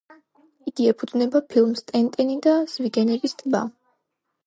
იგი ეფუძნება ფილმს „ტენტენი და ზვიგენების ტბა“.